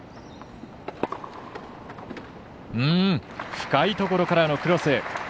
深いところからのクロス。